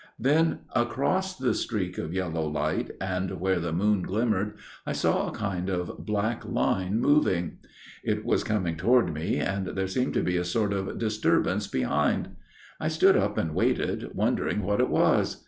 " Then across the streak of yellow light and where the moon glimmered, I saw a kind of black line, moving. It was coming toward me, and there seemed to be a sort of disturbance behind. I stood up and waited, wondering what it was.